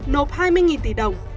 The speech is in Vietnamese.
nộp hai mươi tỷ đồng